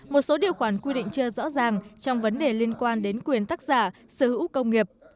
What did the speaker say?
một số điều khoản quy định chưa rõ ràng trong vấn đề liên quan đến quyền tác giả sở hữu công nghiệp